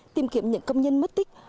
tìm kiếm những công nhân mất tích